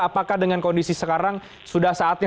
apakah dengan kondisi sekarang sudah saatnya